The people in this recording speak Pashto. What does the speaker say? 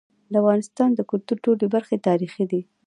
د افغانستان د کلتور ټولي برخي تاریخي دي.